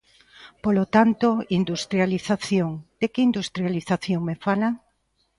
Polo tanto, industrialización, ¿de que industrialización me fala?